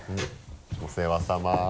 お世話さま。